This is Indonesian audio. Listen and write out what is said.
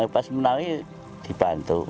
pas menang dibantu